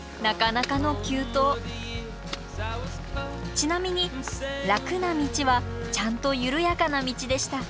ちなみに楽な道はちゃんと緩やかな道でした。